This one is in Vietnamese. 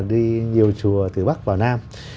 đi nhiều chùa từ bắc vào nam